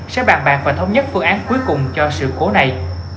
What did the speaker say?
sẽ bàn bạc và thống nhất phương án cuối cùng cho sự cố này